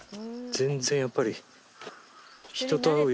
全然やっぱり。